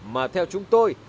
mà theo chúng tôi